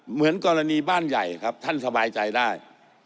เหมือนกรณีบ้านใหญ่ครับท่านสบายใจได้